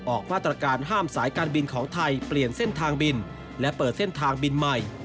ออกมาตรการห้ามสายการบินของไทยเปลี่ยนเส้นทางบินและเปิดเส้นทางบินใหม่